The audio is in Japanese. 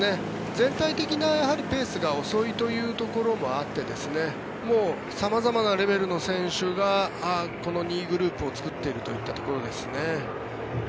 全体的なペースが遅いというところもあってもう様々なレベルの選手がこの２位グループを作っているといったところです。